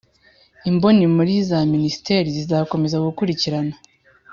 imboni muri za minisiteri zizakomeza gukurikirana